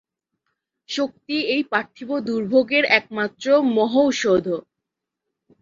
শক্তি এই পার্থিব দুর্ভোগের একমাত্র মহৌষধ।